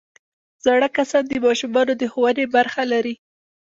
زاړه کسان د ماشومانو د ښوونې برخه لري